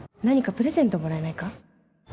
何かプレゼントもらえないか？